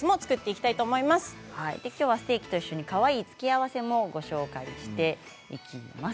きょうはステーキと一緒にかわいい付け合わせもご紹介していきます。